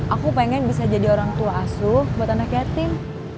aku pengen bisa jadi orang tua asuh buat anak yatim